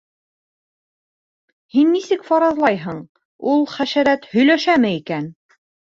— Һин нисек фаразлайһың: ул хәшәрәт һөйләшәме икән?